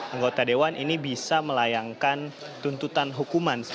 anggota dewan ini bisa melayangkan tuntutan hukuman